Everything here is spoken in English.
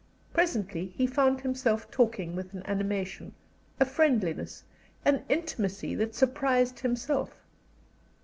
Presently he found himself talking with an animation, a friendliness, an intimacy that surprised himself.